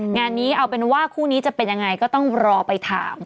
งานนี้เอาเป็นว่าคู่นี้จะเป็นยังไงก็ต้องรอไปถาม